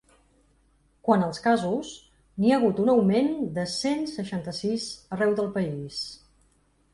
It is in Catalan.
Quant als casos, n’hi ha hagut un augment de cent seixanta-sis arreu del país.